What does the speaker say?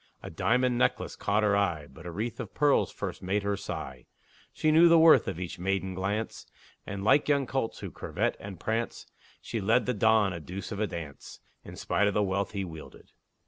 A diamond necklace caught her eye, But a wreath of pearls first made her sigh. She knew the worth of each maiden glance, And, like young colts, that curvet and prance, She led the Don a deuce of a dance, In spite of the wealth he wielded.